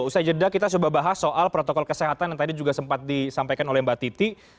usai jeda kita coba bahas soal protokol kesehatan yang tadi juga sempat disampaikan oleh mbak titi